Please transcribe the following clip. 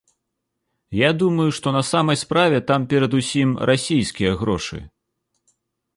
Я думаю, што на самай справе там перадусім расійскія грошы.